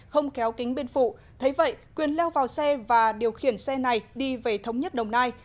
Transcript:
không kéo kính bên phụ thấy vậy quyền leo vào xe và điều khiển xe này đi về thống nhất đồng nai